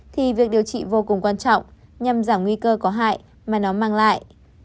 thì việc điều trị vô cùng quan trọng nhằm giảm nguy cơ có hại mà nó mang lại